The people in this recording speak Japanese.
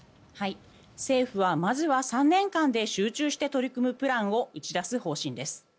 政府はまずは３年間で集中して取り組むプランを打ち出す方針です。